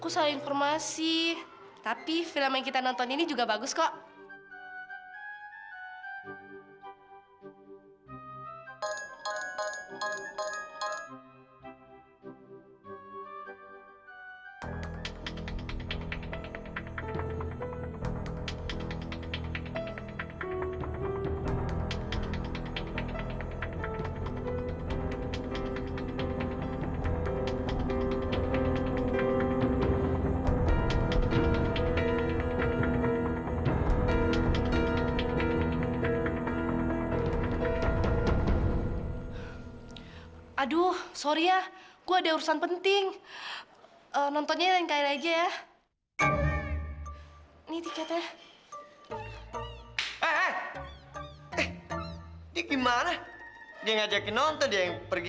sampai jumpa di video selanjutnya